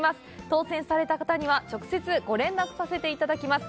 当せんされた方には、直接ご連絡させていただきます。